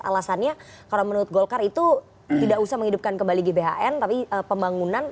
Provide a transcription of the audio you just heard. alasannya kalau menurut golkar itu tidak usah menghidupkan kembali gbhn tapi pembangunan